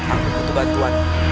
aku butuh bantuanmu